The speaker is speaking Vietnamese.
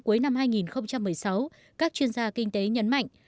trong tháng cuối năm hai nghìn một mươi sáu các chuyên gia kinh tế nhấn mạnh